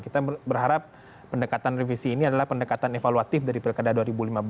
kita berharap pendekatan revisi ini adalah pendekatan evaluatif dari pilkada dua ribu lima belas